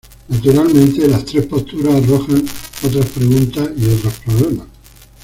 Naturalmente, las tres posturas arrojan otras preguntas y otros problemas.